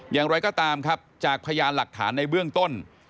อย่างไรก็ตามครับจากพยานหลักฐานในเบื้องต้น